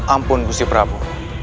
ampun busi prabu